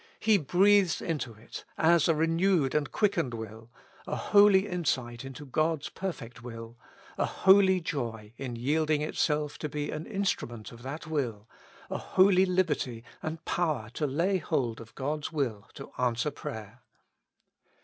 He breathes into it, as a renewed and quickened will, a holy insight into God's perfect will, a holy joy in yielding itself to be an instrument of that will, a holy liberty and power to lay hold of God's will to answer prayer.